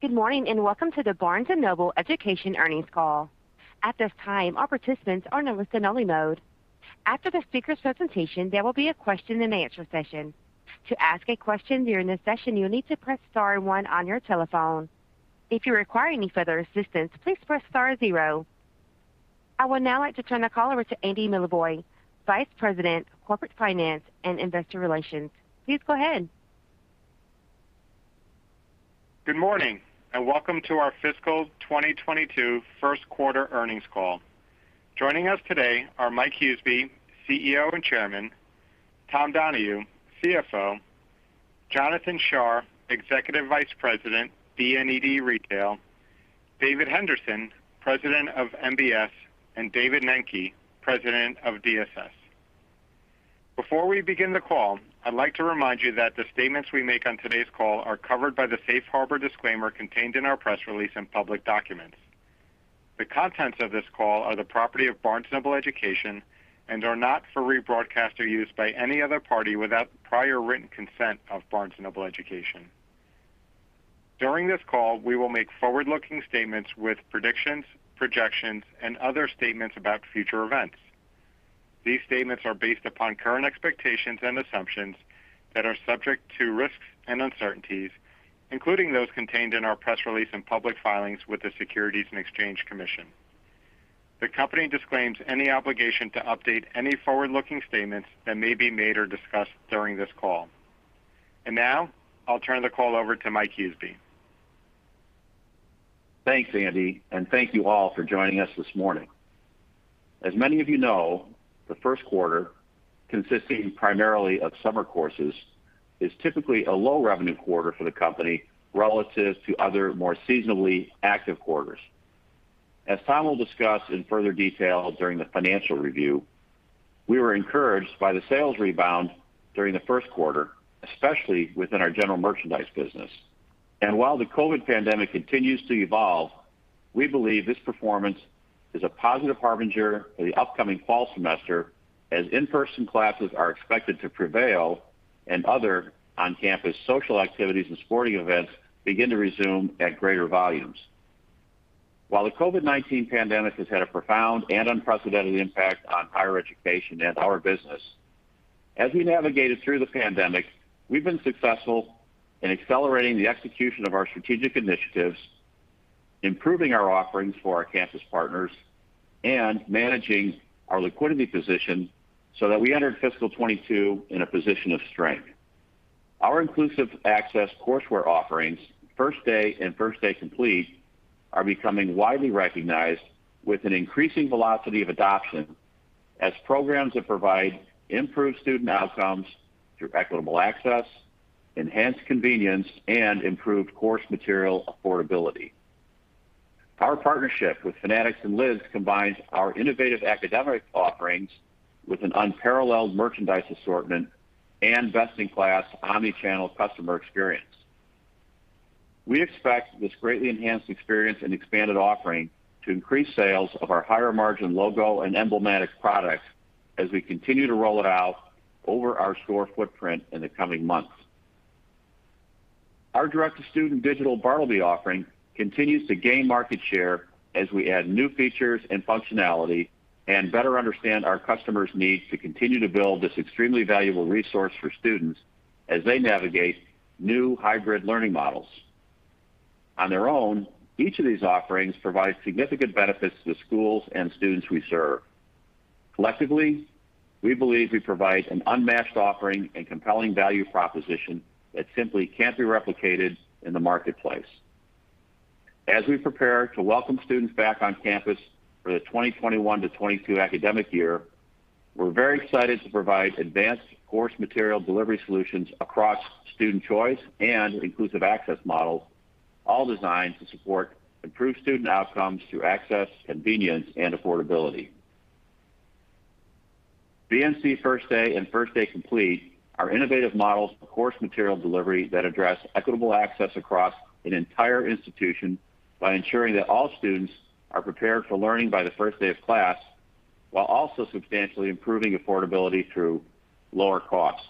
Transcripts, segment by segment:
Good morning. Welcome to the Barnes & Noble Education earnings call. At this time, all participants are in a listen-only mode. After the speaker presentation, there will be a question and answer session. To ask a question during the session, you'll need to press star one on your telephone. If you require any further assistance, please press star zero. I would now like to turn the call over to Andy Milevoj, Vice President of Corporate Finance and Investor Relations. Please go ahead. Good morning, and welcome to our fiscal 2022 first quarter earnings call. Joining us today are Michael Huseby, CEO and Chairman, Thomas Donohue, CFO, Jonathan Shar, Executive Vice President, BNED Retail, David Henderson, President of MBS, and David Nenke, President of DSS. Before we begin the call, I'd like to remind you that the statements we make on today's call are covered by the safe harbor disclaimer contained in our press release and public documents. The contents of this call are the property of Barnes & Noble Education and are not for rebroadcast or use by any other party without the prior written consent of Barnes & Noble Education. During this call, we will make forward-looking statements with predictions, projections, and other statements about future events. These statements are based upon current expectations and assumptions that are subject to risks and uncertainties, including those contained in our press release and public filings with the Securities and Exchange Commission. The company disclaims any obligation to update any forward-looking statements that may be made or discussed during this call. Now I'll turn the call over to Mike Huseby. Thanks, Andy, and thank you all for joining us this morning. As many of you know, the first quarter, consisting primarily of summer courses, is typically a low revenue quarter for the company relative to other, more seasonally active quarters. As Tom Donohue will discuss in further detail during the financial review, we were encouraged by the sales rebound during the first quarter, especially within our general merchandise business. While the COVID pandemic continues to evolve, we believe this performance is a positive harbinger for the upcoming fall semester, as in-person classes are expected to prevail and other on-campus social activities and sporting events begin to resume at greater volumes. While the COVID-19 pandemic has had a profound and unprecedented impact on higher education and our business, as we navigated through the pandemic, we've been successful in accelerating the execution of our strategic initiatives, improving our offerings for our campus partners, and managing our liquidity position so that we entered fiscal 2022 in a position of strength. Our inclusive access courseware offerings, First Day and First Day Complete, are becoming widely recognized with an increasing velocity of adoption as programs that provide improved student outcomes through equitable access, enhanced convenience, and improved course material affordability. Our partnership with Fanatics and Lids combines our innovative academic offerings with an unparalleled merchandise assortment and best-in-class omnichannel customer experience. We expect this greatly enhanced experience and expanded offering to increase sales of our higher margin logo and emblematic products as we continue to roll it out over our store footprint in the coming months. Our direct-to-student digital bartleby offering continues to gain market share as we add new features and functionality and better understand our customers' needs to continue to build this extremely valuable resource for students as they navigate new hybrid learning models. On their own, each of these offerings provides significant benefits to the schools and students we serve. Collectively, we believe we provide an unmatched offering and compelling value proposition that simply can't be replicated in the marketplace. As we prepare to welcome students back on campus for the 2021-2022 academic year, we're very excited to provide advanced course material delivery solutions across student choice and inclusive access models, all designed to support improved student outcomes through access, convenience, and affordability. BNC First Day and First Day Complete are innovative models of course material delivery that address equitable access across an entire institution by ensuring that all students are prepared for learning by the first day of class, while also substantially improving affordability through lower costs.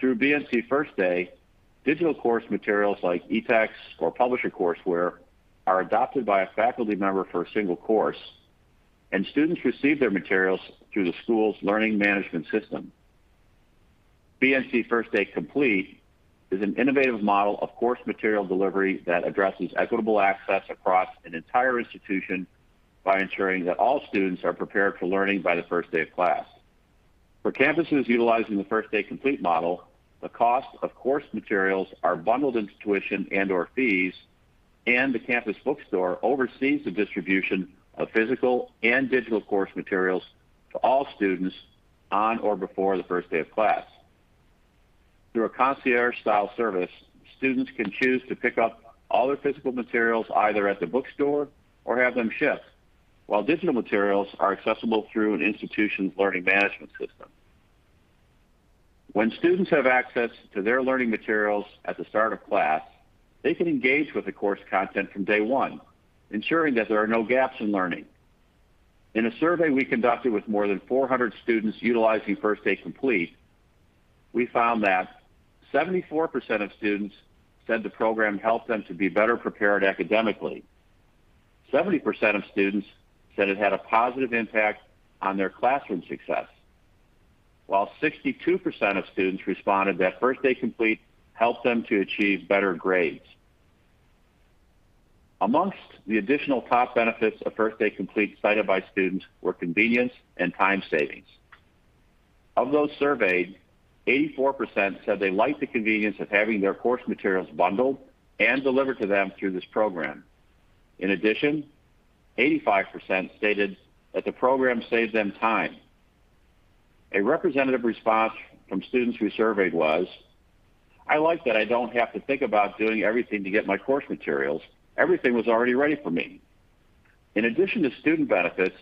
Through BNC First Day, digital course materials like eText or publisher courseware are adopted by a faculty member for a single course, and students receive their materials through the school's learning management system. BNC First Day Complete is an innovative model of course material delivery that addresses equitable access across an entire institution by ensuring that all students are prepared for learning by the first day of class. For campuses utilizing the First Day Complete model, the cost of course materials are bundled into tuition and/or fees, and the campus bookstore oversees the distribution of physical and digital course materials to all students on or before the first day of class. Through a concierge-style service, students can choose to pick up all their physical materials either at the bookstore or have them shipped, while digital materials are accessible through an institution's learning management system. When students have access to their learning materials at the start of class, they can engage with the course content from day one, ensuring that there are no gaps in learning. In a survey we conducted with more than 400 students utilizing First Day Complete, we found that 74% of students said the program helped them to be better prepared academically. 70% of students said it had a positive impact on their classroom success, while 62% of students responded that First Day Complete helped them to achieve better grades. Amongst the additional top benefits of First Day Complete cited by students were convenience and time savings. Of those surveyed, 84% said they liked the convenience of having their course materials bundled and delivered to them through this program. In addition, 85% stated that the program saved them time. A representative response from students we surveyed was, "I like that I don't have to think about doing everything to get my course materials. Everything was already ready for me." In addition to student benefits,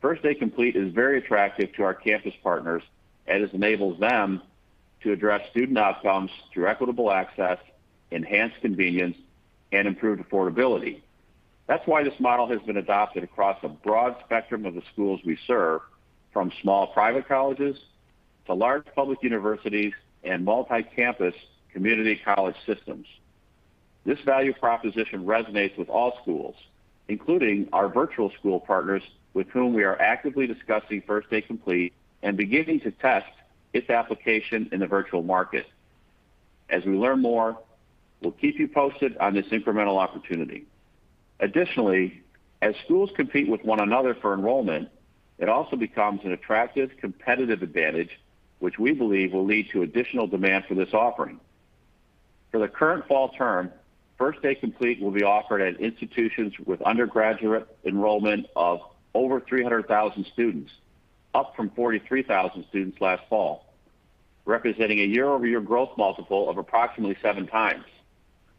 First Day Complete is very attractive to our campus partners, as it enables them to address student outcomes through equitable access, enhanced convenience, and improved affordability. That's why this model has been adopted across a broad spectrum of the schools we serve, from small private colleges to large public universities and multi-campus community college systems. This value proposition resonates with all schools, including our virtual school partners, with whom we are actively discussing First Day Complete and beginning to test its application in the virtual market. As we learn more, we'll keep you posted on this incremental opportunity. Additionally, as schools compete with one another for enrollment, it also becomes an attractive competitive advantage, which we believe will lead to additional demand for this offering. For the current fall term, First Day Complete will be offered at institutions with undergraduate enrollment of over 300,000 students, up from 43,000 students last fall, representing a year-over-year growth multiple of approximately 7x.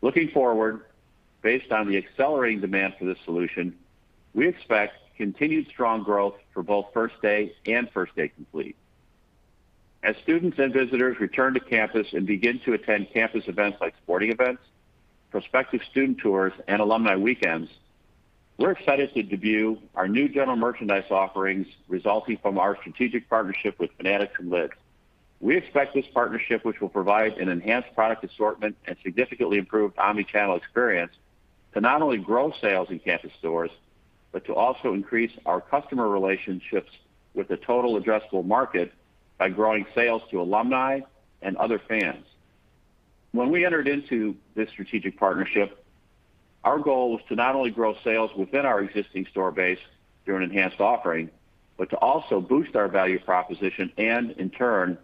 Looking forward, based on the accelerating demand for this solution, we expect continued strong growth for both First Day and First Day Complete. As students and visitors return to campus and begin to attend campus events like sporting events, prospective student tours, and alumni weekends, we're excited to debut our new general merchandise offerings resulting from our strategic partnership with Fanatics and Lids. We expect this partnership, which will provide an enhanced product assortment and significantly improved omnichannel experience, to not only grow sales in campus stores, but to also increase our customer relationships with the total addressable market by growing sales to alumni and other fans. When we entered into this strategic partnership, our goal was to not only grow sales within our existing store base through an enhanced offering, but to also boost our value proposition and, in turn,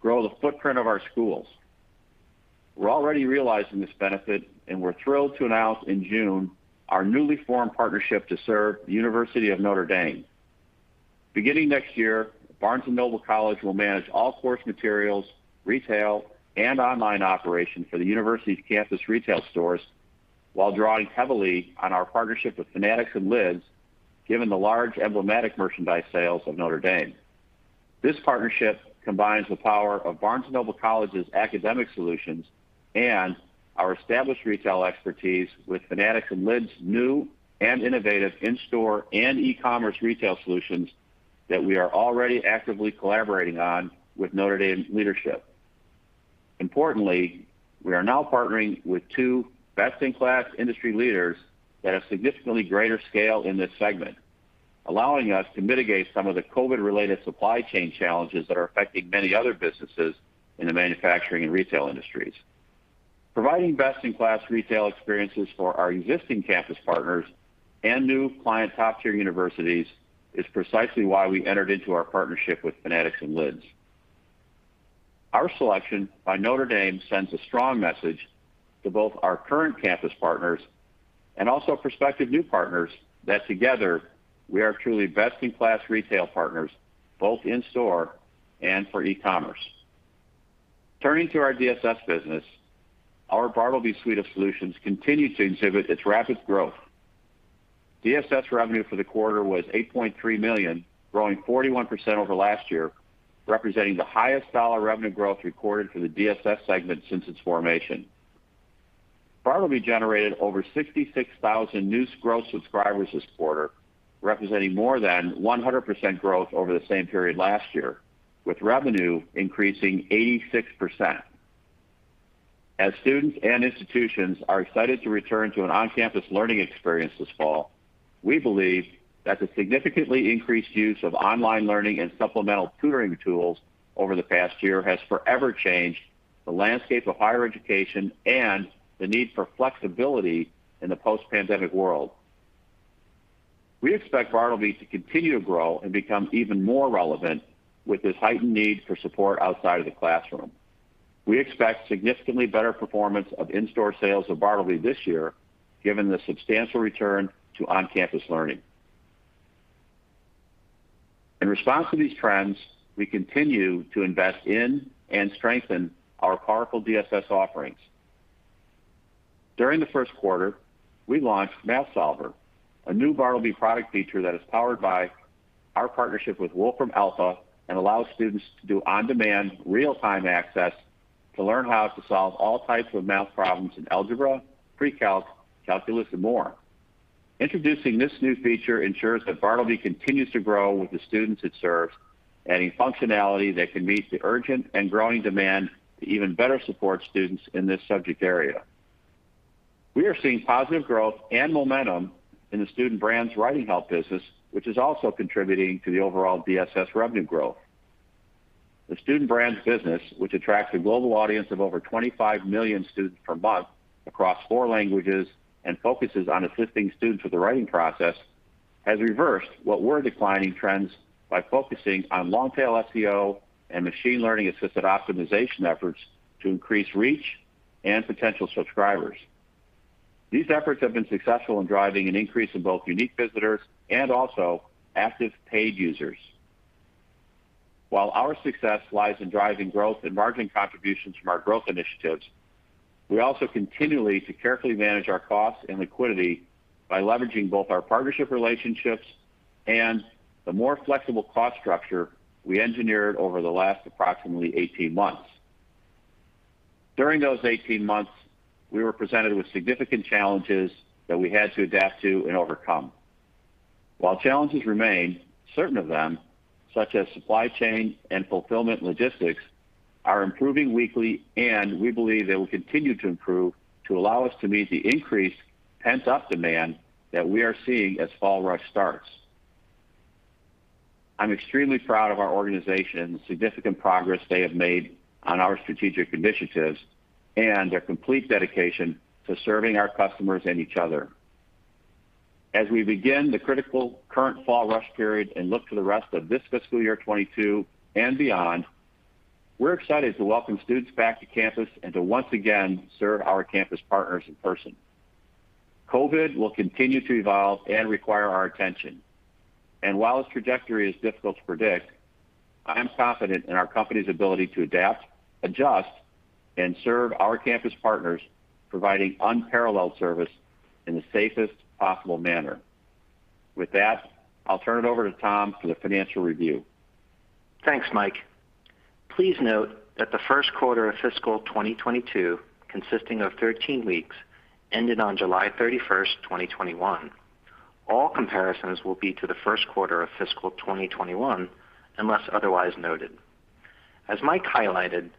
grow the footprint of our schools. We're already realizing this benefit, and we're thrilled to announce in June our newly formed partnership to serve the University of Notre Dame. Beginning next year, Barnes & Noble College will manage all course materials, retail, and online operations for the university's campus retail stores while drawing heavily on our partnership with Fanatics and Lids, given the large emblematic merchandise sales of Notre Dame. This partnership combines the power of Barnes & Noble College's academic solutions and our established retail expertise with Fanatics and Lids' new and innovative in-store and e-commerce retail solutions that we are already actively collaborating on with Notre Dame's leadership. Importantly, we are now partnering with two best-in-class industry leaders that have significantly greater scale in this segment, allowing us to mitigate some of the COVID-related supply chain challenges that are affecting many other businesses in the manufacturing and retail industries. Providing best-in-class retail experiences for our existing campus partners and new client top-tier universities is precisely why we entered into our partnership with Fanatics and Lids. Our selection by Notre Dame sends a strong message to both our current campus partners and also prospective new partners that together, we are truly best-in-class retail partners, both in store and for e-commerce. Turning to our DSS business, our bartleby suite of solutions continue to exhibit its rapid growth. DSS revenue for the quarter was $8.3 million, growing 41% over last year, representing the highest dollar revenue growth recorded for the DSS segment since its formation. Bartleby generated over 66,000 new gross subscribers this quarter, representing more than 100% growth over the same period last year, with revenue increasing 86%. As students and institutions are excited to return to an on-campus learning experience this fall, we believe that the significantly increased use of online learning and supplemental tutoring tools over the past year has forever changed the landscape of higher education and the need for flexibility in the post-pandemic world. We expect bartleby to continue to grow and become even more relevant with this heightened need for support outside of the classroom. We expect significantly better performance of in-store sales of bartleby this year, given the substantial return to on-campus learning. In response to these trends, we continue to invest in and strengthen our powerful DSS offerings. During the first quarter, we launched Math Solver, a new bartleby product feature that is powered by our partnership with Wolfram|Alpha and allows students to do on-demand, real-time access to learn how to solve all types of math problems in algebra, pre-calc, calculus, and more. Introducing this new feature ensures that bartleby continues to grow with the students it serves, adding functionality that can meet the urgent and growing demand to even better support students in this subject area. We are seeing positive growth and momentum in the Student Brands writing help business, which is also contributing to the overall DSS revenue growth. The Student Brands business, which attracts a global audience of over 25 million students per month across four languages and focuses on assisting students with the writing process, has reversed what were declining trends by focusing on long-tail SEO and machine learning-assisted optimization efforts to increase reach and potential subscribers. These efforts have been successful in driving an increase in both unique visitors and also active paid users. While our success lies in driving growth and margin contributions from our growth initiatives, we also continually to carefully manage our costs and liquidity by leveraging both our partnership relationships and the more flexible cost structure we engineered over the last approximately 18 months. During those 18 months, we were presented with significant challenges that we had to adapt to and overcome. While challenges remain, certain of them, such as supply chain and fulfillment logistics, are improving weekly, and we believe they will continue to improve to allow us to meet the increased pent-up demand that we are seeing as fall rush starts. I'm extremely proud of our organization and the significant progress they have made on our strategic initiatives and their complete dedication to serving our customers and each other. We begin the critical current fall rush period and look to the rest of this fiscal year 2022 and beyond, we're excited to welcome students back to campus and to once again serve our campus partners in person. COVID will continue to evolve and require our attention. While its trajectory is difficult to predict, I am confident in our company's ability to adapt, adjust, and serve our campus partners, providing unparalleled service in the safest possible manner. With that, I'll turn it over to Tom for the financial review. Thanks, Mike. Please note that the first quarter of fiscal 2022, consisting of 13 weeks, ended on July 31st, 2021. All comparisons will be to the first quarter of fiscal 2021, unless otherwise noted. As Mike highlighted,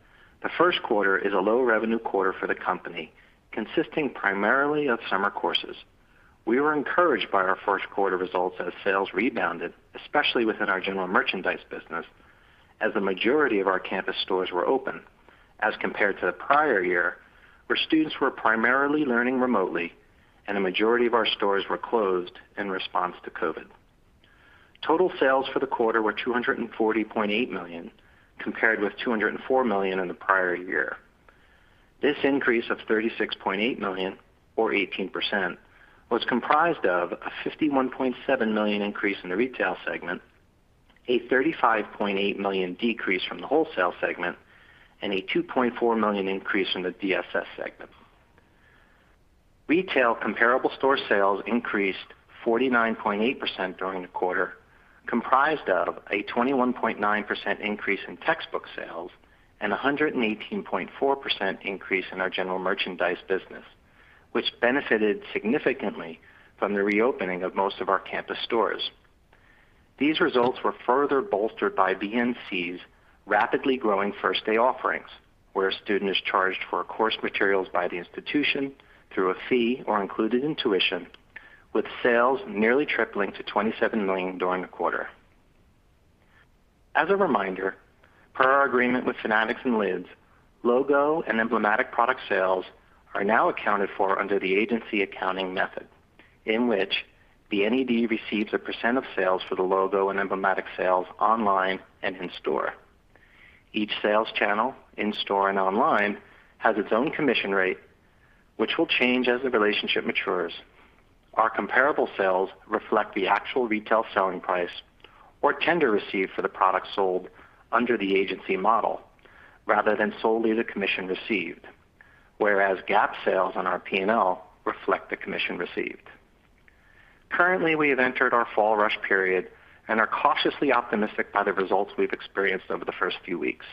the first quarter is a low-revenue quarter for the company, consisting primarily of summer courses. We were encouraged by our first quarter results as sales rebounded, especially within our general merchandise business, as the majority of our campus stores were open as compared to the prior year, where students were primarily learning remotely and the majority of our stores were closed in response to COVID. Total sales for the quarter were $240.8 million, compared with $204 million in the prior year. This increase of $36.8 million, or 18%, was comprised of a $51.7 million increase in the retail segment, a $35.8 million decrease from the wholesale segment, and a $2.4 million increase in the DSS segment. Retail comparable store sales increased 49.8% during the quarter, comprised of a 21.9% increase in textbook sales and 118.4% increase in our general merchandise business, which benefited significantly from the reopening of most of our campus stores. These results were further bolstered by BNC's rapidly growing First Day offerings, where a student is charged for course materials by the institution through a fee or included in tuition, with sales nearly tripling to $27 million during the quarter. As a reminder, per our agreement with Fanatics and Lids, logo and emblematic product sales are now accounted for under the agency accounting method, in which the BNED receives a percentage of sales for the logo and emblematic sales online and in store. Each sales channel, in store and online, has its own commission rate, which will change as the relationship matures. Our comparable sales reflect the actual retail selling price or tender received for the product sold under the agency model rather than solely the commission received, whereas GAAP sales on our P&L reflect the commission received. Currently, we have entered our fall rush period and are cautiously optimistic by the results we've experienced over the first few weeks.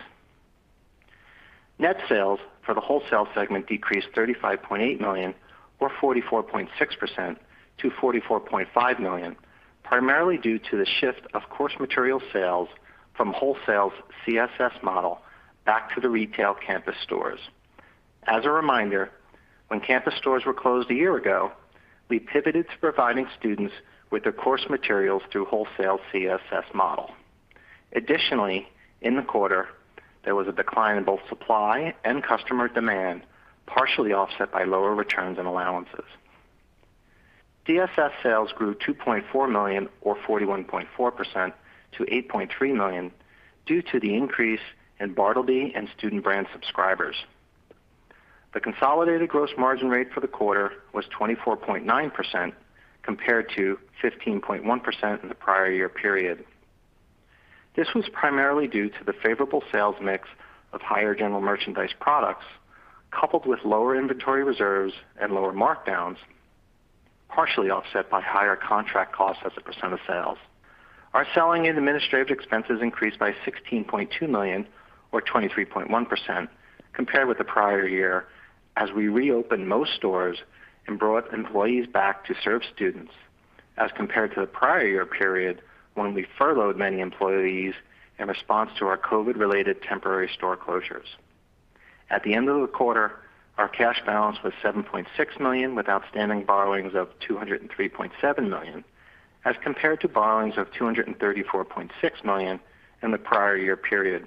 Net sales for the wholesale segment decreased $35.8 million or 44.6% to $44.5 million, primarily due to the shift of course material sales from wholesale CSS model back to the retail campus stores. As a reminder, when campus stores were closed a year ago, we pivoted to providing students with their course materials through wholesale CSS model. In the quarter, there was a decline in both supply and customer demand, partially offset by lower returns and allowances. DSS sales grew $2.4 million or 41.4% to $8.3 million due to the increase in bartleby and Student Brands subscribers. The consolidated gross margin rate for the quarter was 24.9% compared to 15.1% in the prior year period. This was primarily due to the favorable sales mix of higher general merchandise products, coupled with lower inventory reserves and lower markdowns, partially offset by higher contract costs as a percentage of sales. Our selling and administrative expenses increased by $16.2 million, or 23.1%, compared with the prior year as we reopened most stores and brought employees back to serve students, as compared to the prior year period when we furloughed many employees in response to our COVID-related temporary store closures. At the end of the quarter, our cash balance was $7.6 million, with outstanding borrowings of $203.7 million, as compared to borrowings of $234.6 million in the prior year period.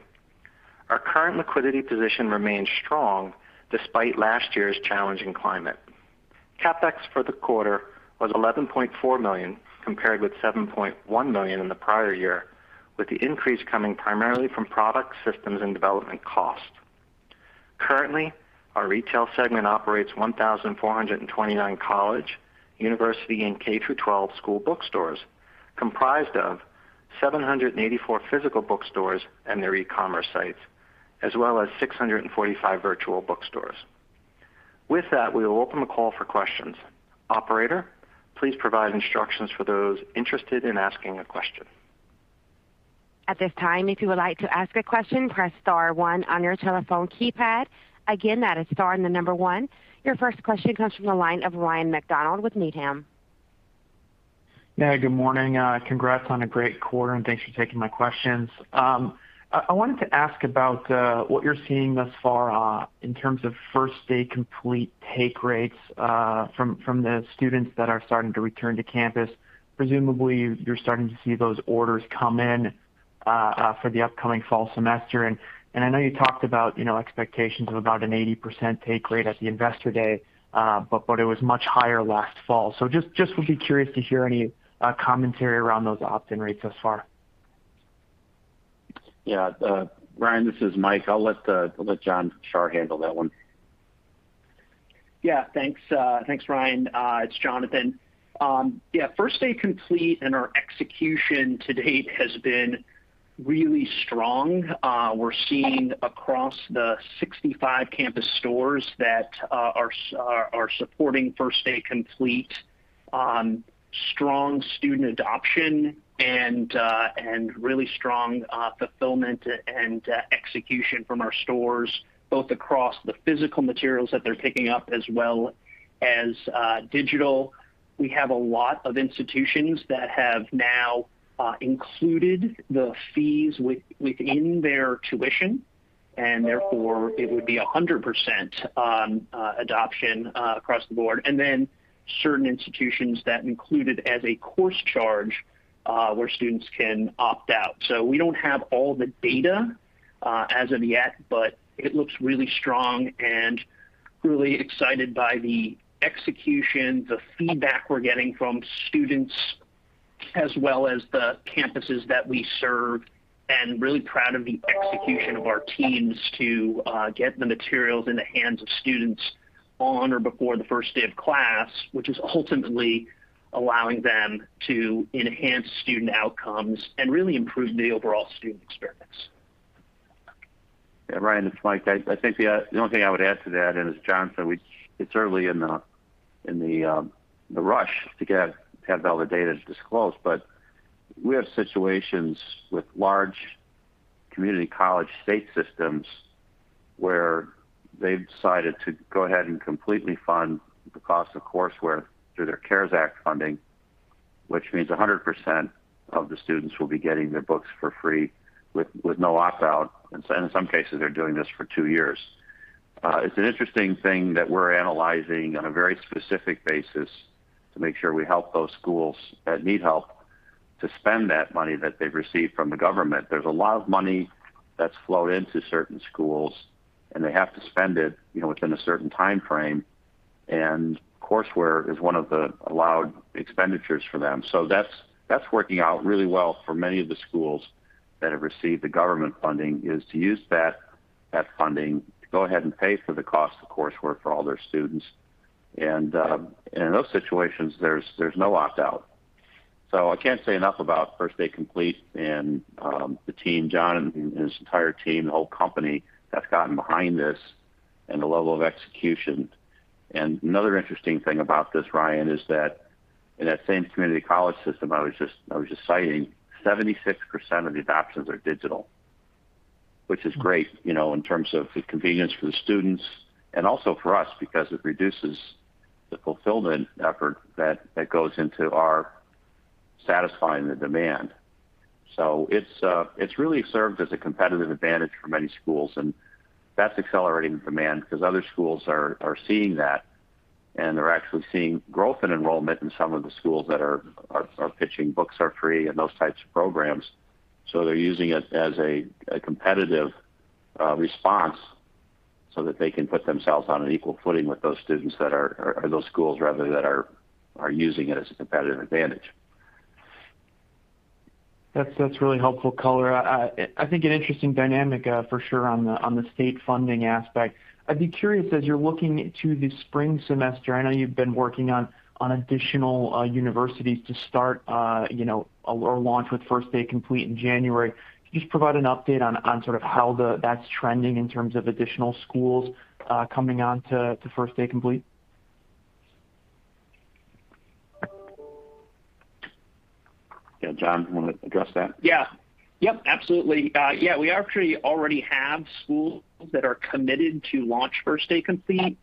Our current liquidity position remains strong despite last year's challenging climate. CapEx for the quarter was $11.4 million, compared with $7.1 million in the prior year, with the increase coming primarily from product systems and development costs. Currently, our retail segment operates 1,429 college, university, and K through 12 school bookstores, comprised of 784 physical bookstores and their e-commerce sites, as well as 645 virtual bookstores. With that, we will open the call for questions. Operator, please provide instructions for those interested in asking a question. At this time, if you would like to ask a question, press star one on your telephone keypad. Again, that is star and the number one. Your first question comes from the line of Ryan MacDonald with Needham. Yeah, good morning. Congrats on a great quarter, and thanks for taking my questions. I wanted to ask about what you're seeing thus far in terms of First Day Complete take rates from the students that are starting to return to campus. Presumably, you're starting to see those orders come in for the upcoming fall semester. I know you talked about expectations of about an 80% take rate at the Investor Day, but it was much higher last fall. Just would be curious to hear any commentary around those opt-in rates thus far. Yeah, Ryan, this is Mike. I'll let Jonathan Shar handle that one. Thanks. Thanks, Ryan. It's Jonathan. First Day Complete and our execution to date has been really strong. We're seeing across the 65 campus stores that are supporting First Day Complete, strong student adoption, and really strong fulfillment and execution from our stores, both across the physical materials that they're picking up as well as digital. We have a lot of institutions that have now included the fees within their tuition. Therefore, it would be 100% on adoption across the board. Certain institutions that include it as a course charge, where students can opt out. We don't have all the data as of yet, but it looks really strong and really excited by the execution, the feedback we're getting from students, as well as the campuses that we serve, and really proud of the execution of our teams to get the materials in the hands of students on or before the first day of class, which is ultimately allowing them to enhance student outcomes and really improve the overall student experience. Yeah, Ryan, it's Mike. I think the only thing I would add to that, as Jonathan said, it's early in the rush to have all the data disclosed. We have situations with large community college state systems where they've decided to go ahead and completely fund the cost of courseware through their CARES Act funding, which means 100% of the students will be getting their books for free with no opt-out. In some cases, they're doing this for two years. It's an interesting thing that we're analyzing on a very specific basis to make sure we help those schools that need help to spend that money that they've received from the government. There's a lot of money that's flowed into certain schools, they have to spend it within a certain timeframe, courseware is one of the allowed expenditures for them. That's working out really well for many of the schools that have received the government funding, is to use that funding to go ahead and pay for the cost of courseware for all their students. In those situations, there's no opt-out. I can't say enough about First Day Complete and the team, Jonathan Shar and his entire team, the whole company that's gotten behind this and the level of execution. Another interesting thing about this, Ryan MacDonald, is that in that same community college system I was just citing, 76% of the adoptions are digital, which is great in terms of the convenience for the students and also for us because it reduces the fulfillment effort that goes into our satisfying the demand. It's really served as a competitive advantage for many schools, and that's accelerating demand because other schools are seeing that, and they're actually seeing growth in enrollment in some of the schools that are pitching books are free and those types of programs. They're using it as a competitive response so that they can put themselves on an equal footing with those students that are, or those schools rather, that are using it as a competitive advantage. That's really helpful color. I think an interesting dynamic, for sure, on the state funding aspect. I'd be curious as you're looking to the spring semester, I know you've been working on additional universities to start or launch with First Day Complete in January. Can you just provide an update on how that's trending in terms of additional schools coming on to First Day Complete? Yeah. Jonathan Shar, you want to address that? Absolutely. We actually already have schools that are committed to launch First Day Complete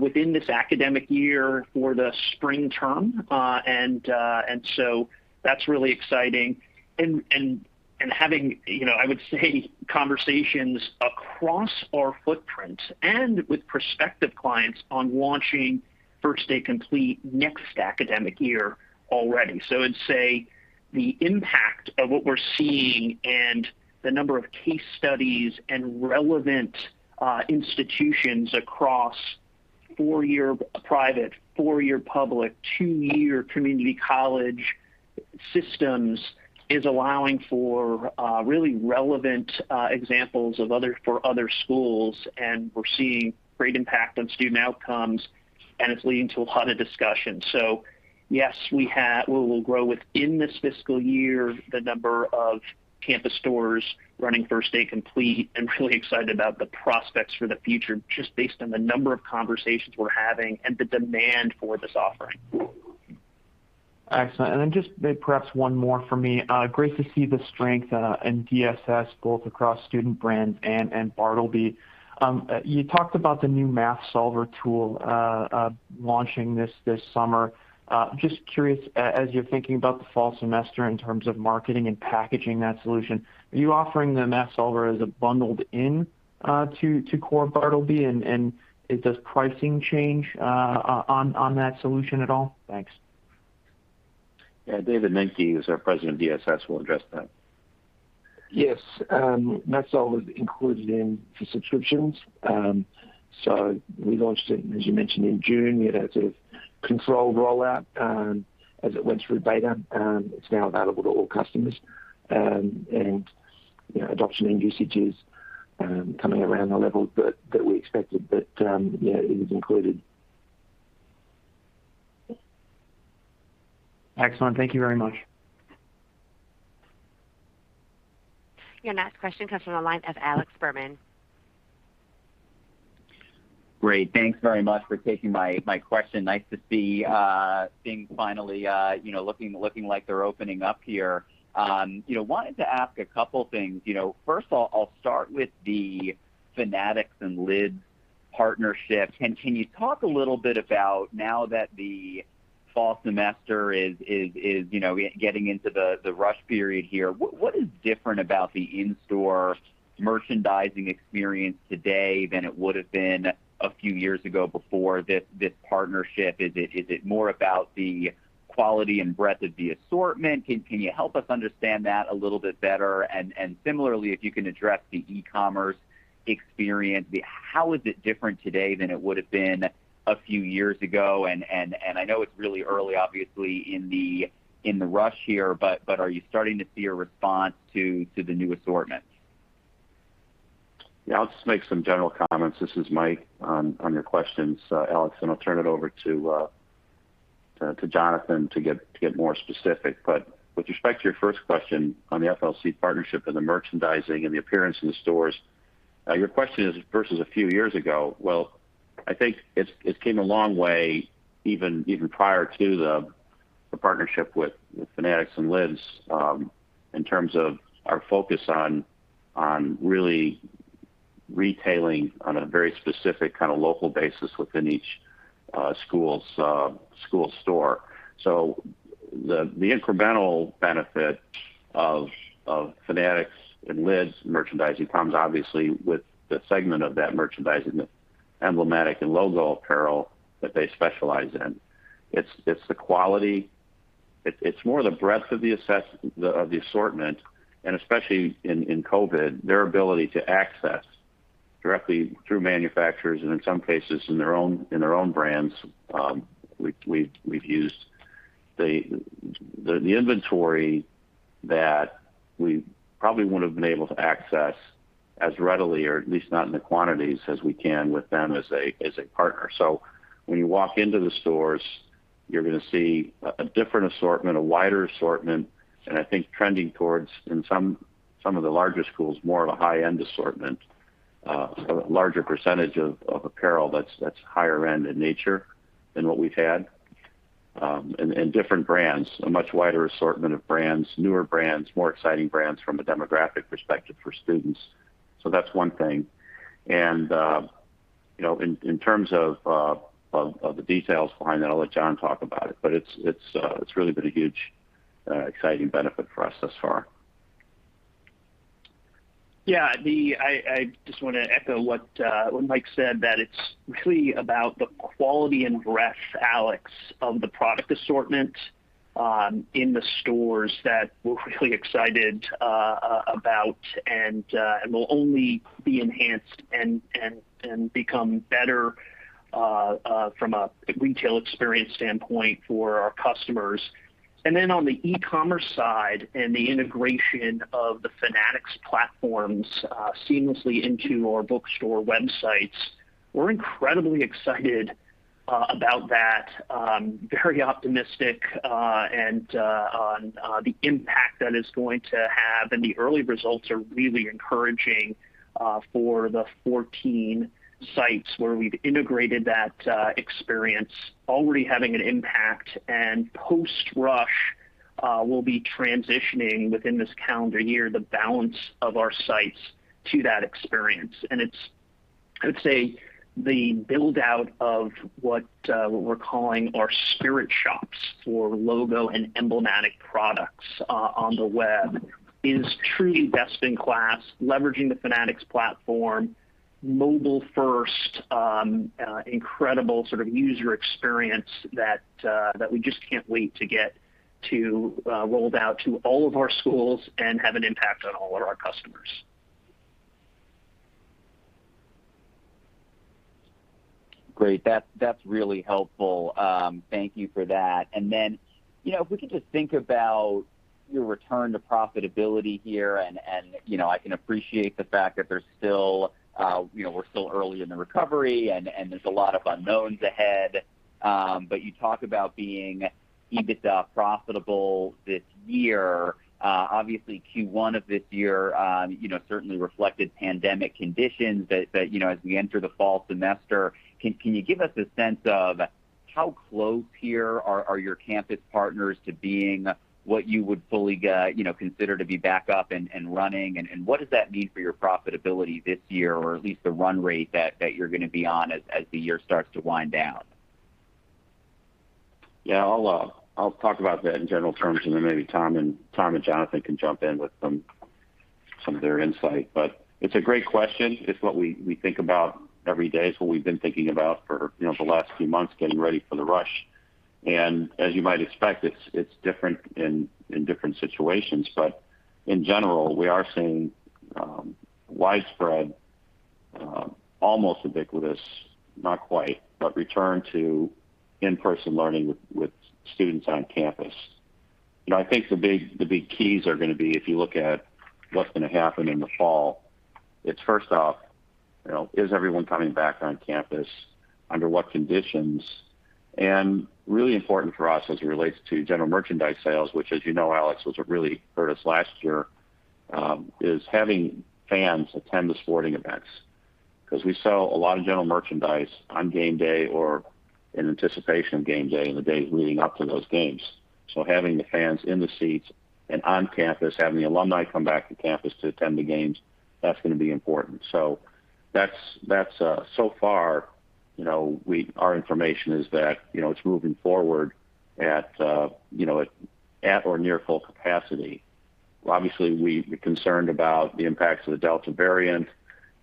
within this academic year for the spring term. That's really exciting. Having, I would say, conversations across our footprint and with prospective clients on launching First Day Complete next academic year already. I'd say the impact of what we're seeing and the number of case studies and relevant institutions across four-year private, four-year public, two-year community college systems is allowing for really relevant examples for other schools, and we're seeing great impact on student outcomes, and it's leading to a lot of discussion. Yes, we will grow within this fiscal year, the number of campus stores running First Day Complete and really excited about the prospects for the future, just based on the number of conversations we're having and the demand for this offering. Excellent. Just perhaps one more from me. Great to see the strength in DSS, both across Student Brands and bartleby. You talked about the new Math Solver tool launching this summer. Just curious, as you're thinking about the fall semester in terms of marketing and packaging that solution, are you offering the Math Solver as a bundled in to core bartleby, and does pricing change on that solution at all? Thanks. Yeah. David Nenke, who's our President of DSS, will address that. Yes. Math Solver is included in the subscriptions. We launched it, as you mentioned, in June. We had a controlled rollout as it went through beta. It's now available to all customers, and adoption and usage is coming around the levels that we expected. It is included. Excellent. Thank you very much. Your next question comes from the line of Alex Fuhrman. Great. Thanks very much for taking my question. Nice to see things finally looking like they're opening up here. Wanted to ask a couple things. First of all, I'll start with the Fanatics and Lids partnership. Can you talk a little bit about now that the fall semester is getting into the rush period here, what is different about the in-store merchandising experience today than it would have been a few years ago before this partnership? Is it more about the quality and breadth of the assortment? Can you help us understand that a little bit better? Similarly, if you can address the e-commerce experience, how is it different today than it would have been a few years ago? I know it's really early, obviously, in the rush here, but are you starting to see a response to the new assortment? I'll just make some general comments, this is Michael Huseby, on your questions, Alex Fuhrman, and I'll turn it over to Jonathan Shar to get more specific. With respect to your first question on the FLC partnership and the merchandising and the appearance in the stores, your question is versus a few years ago. I think it's came a long way, even prior to the partnership with Fanatics and Lids, in terms of our focus on really retailing on a very specific kind of local basis within each school's store. The incremental benefit of Fanatics and Lids merchandising comes obviously with the segment of that merchandising, the emblematic and logo apparel that they specialize in. It's more the breadth of the assortment, and especially in COVID, their ability to access directly through manufacturers and in some cases in their own brands. We've used the inventory that we probably wouldn't have been able to access as readily, or at least not in the quantities as we can with them as a partner. When you walk into the stores, you're going to see a different assortment, a wider assortment, and I think trending towards, in some of the larger schools, more of a high-end assortment, a larger percentage of apparel that's higher end in nature than what we've had. Different brands, a much wider assortment of brands, newer brands, more exciting brands from a demographic perspective for students. That's one thing. In terms of the details behind that, I'll let John talk about it, but it's really been a huge exciting benefit for us thus far. Yeah. I just want to echo what Mike said, that it's really about the quality and breadth, Alex, of the product assortment in the stores that we're really excited about and will only be enhanced and become better. From a retail experience standpoint for our customers. On the e-commerce side and the integration of the Fanatics platforms seamlessly into our bookstore websites, we're incredibly excited about that, very optimistic on the impact that it's going to have, and the early results are really encouraging for the 14 sites where we've integrated that experience. Already having an impact, and post-rush, we'll be transitioning within this calendar year, the balance of our sites to that experience. It's, I would say, the build-out of what we're calling our spirit shops for logo and emblematic products on the web is truly best in class, leveraging the Fanatics platform, mobile first, incredible sort of user experience that we just can't wait to get to rolled out to all of our schools and have an impact on all of our customers. Great. That's really helpful. Thank you for that. Then, if we could just think about your return to profitability here, and I can appreciate the fact that we're still early in the recovery and there's a lot of unknowns ahead. You talk about being EBITDA profitable this year. Obviously Q1 of this year certainly reflected pandemic conditions, but as we enter the fall semester, can you give us a sense of how close here are your campus partners to being what you would fully consider to be back up and running, and what does that mean for your profitability this year, or at least the run rate that you're going to be on as the year starts to wind down? Yeah, I'll talk about that in general terms, and then maybe Tom and Jonathan can jump in with some of their insight. It's a great question. It's what we think about every day. It's what we've been thinking about for the last few months, getting ready for the rush. As you might expect, it's different in different situations. In general, we are seeing widespread, almost ubiquitous, not quite, but return to in-person learning with students on campus. I think the big keys are going to be, if you look at what's going to happen in the fall, it's first off, is everyone coming back on campus? Under what conditions? Really important for us as it relates to general merchandise sales, which, as you know, Alex, was what really hurt us last year, is having fans attend the sporting events. We sell a lot of general merchandise on game day or in anticipation of game day, and the days leading up to those games. Having the fans in the seats and on campus, having the alumni come back to campus to attend the games, that's going to be important. That's so far, our information is that it's moving forward at or near full capacity. Obviously, we're concerned about the impacts of the Delta variant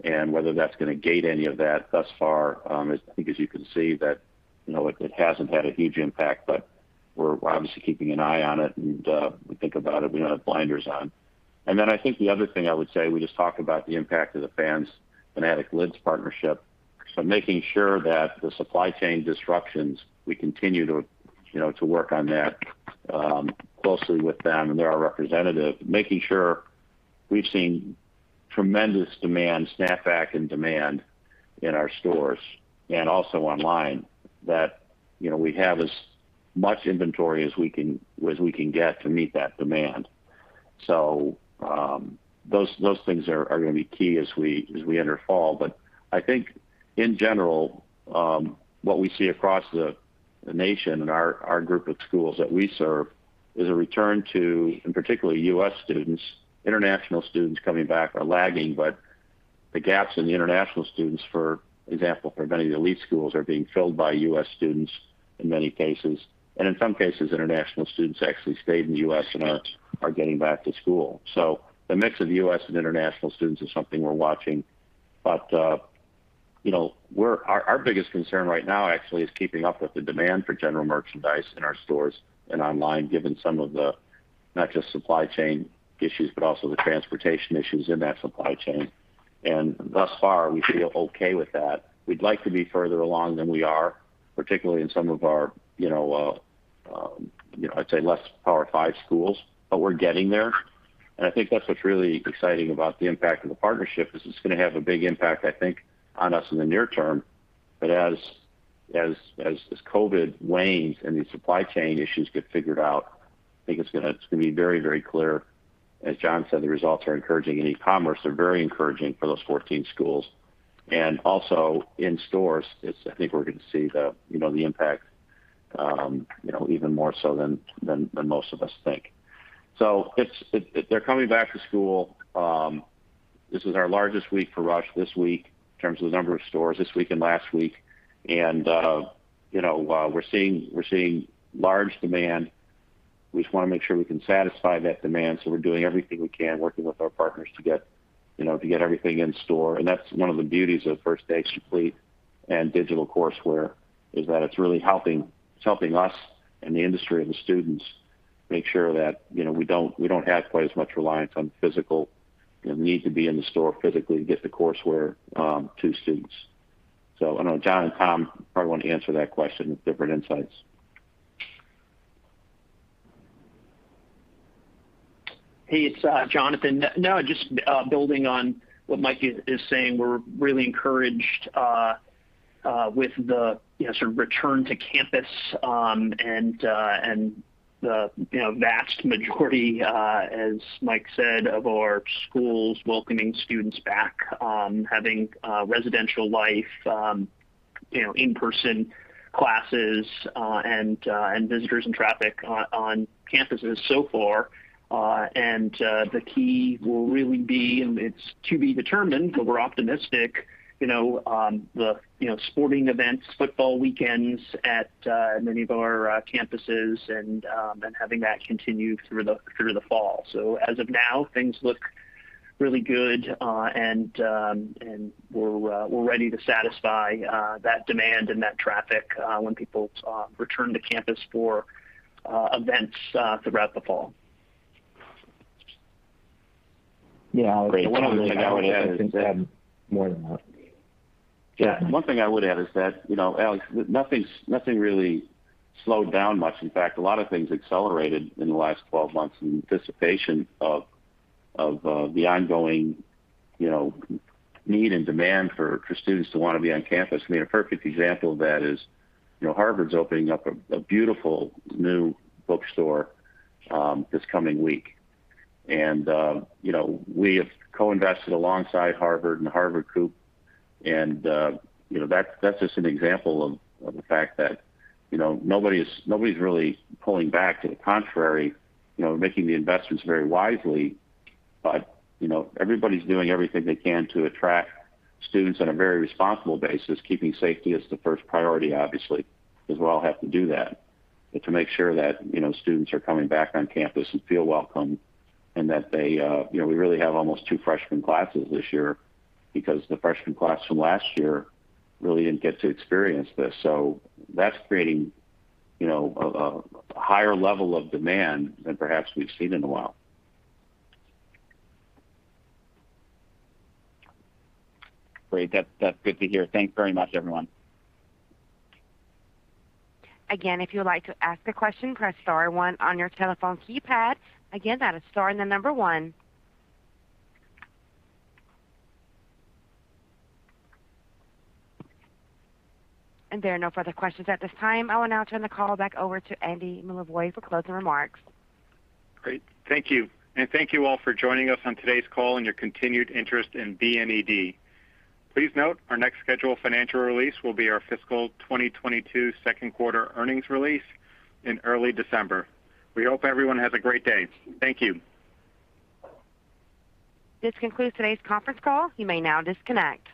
and whether that's going to gate any of that thus far. I think as you can see that it hasn't had a huge impact, but we're obviously keeping an eye on it and we think about it. We don't have blinders on. I think the other thing I would say, we just talked about the impact of the Fans, Fanatics Lids partnership. Making sure that the supply chain disruptions, we continue to work on that closely with them and their representative, making sure we've seen tremendous demand, snap back in demand in our stores and also online, that we have as much inventory as we can get to meet that demand. Those things are going to be key as we enter fall. I think in general, what we see across the nation and our group of schools that we serve is a return to, in particular, U.S. students. International students coming back are lagging, but the gaps in the international students, for example, for many of the elite schools, are being filled by U.S. students in many cases. In some cases, international students actually stayed in the U.S. and are getting back to school. The mix of U.S. and international students is something we're watching. Our biggest concern right now actually is keeping up with the demand for general merchandise in our stores and online, given some of the, not just supply chain issues, but also the transportation issues in that supply chain. Thus far, we feel okay with that. We'd like to be further along than we are, particularly in some of our, I'd say less Power Five schools, but we're getting there. I think that's what's really exciting about the impact of the partnership is it's going to have a big impact, I think, on us in the near term. As this COVID wanes and these supply chain issues get figured out, I think it's going to be very clear. As John said, the results are encouraging in e-commerce. They're very encouraging for those 14 schools. Also in stores, I think we're going to see the impact even more so than most of us think. They're coming back to school. This was our largest week for rush this week in terms of the number of stores, this week and last week. We're seeing large demand. We just want to make sure we can satisfy that demand, we're doing everything we can, working with our partners to get everything in store. That's one of the beauties of First Day Complete and digital courseware is that it's really helping us and the industry and the students make sure that we don't have quite as much reliance on physical, the need to be in the store physically to get the courseware to students. I know Jonathan Shar and Thomas Donohue probably want to answer that question with different insights. Hey, it's Jonathan. Just building on what Mike is saying, we're really encouraged with the sort of return to campus, and the vast majority, as Mike said, of our schools welcoming students back, having residential life, in-person classes, and visitors and traffic on campuses so far. The key will really be, and it's to be determined, we're optimistic, the sporting events, football weekends at many of our campuses and then having that continue through the fall. As of now, things look really good, and we're ready to satisfy that demand and that traffic when people return to campus for events throughout the fall. Yeah. Great. One other thing I would add. More than happy. Yeah. One thing I would add is that, Alex, nothing really slowed down much. In fact, a lot of things accelerated in the last 12 months in anticipation of the ongoing need and demand for students to want to be on campus. I mean, a perfect example of that is Harvard's opening up a beautiful new bookstore this coming week. We have co-invested alongside Harvard and The Harvard Coop, and that's just an example of the fact that nobody's really pulling back. To the contrary, making the investments very wisely, but everybody's doing everything they can to attract students on a very responsible basis, keeping safety as the first priority, obviously, because we all have to do that. To make sure that students are coming back on campus and feel welcome. We really have almost two freshman classes this year because the freshman class from last year really didn't get to experience this. That's creating a higher level of demand than perhaps we've seen in a while. Great. That's good to hear. Thanks very much, everyone. If you would like to ask a question, press star one on your telephone keypad. That is star and the number one. There are no further questions at this time. I will now turn the call back over to Andy Milevoj for closing remarks. Great. Thank you. Thank you all for joining us on today's call and your continued interest in BNED. Please note our next scheduled financial release will be our fiscal 2022 second quarter earnings release in early December. We hope everyone has a great day. Thank you. This concludes today's conference call. You may now disconnect.